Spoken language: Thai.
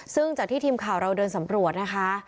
ซึ่งจากที่ทีมข่าวเราเดินสำรวจนะคะ